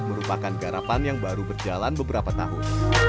merupakan garapan yang baru berjalan beberapa tahun